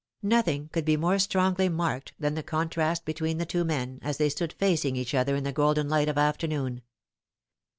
Nothing could be more strongly marked than the contrast between the two men, as they stood facing each other in the golden light of afternoon.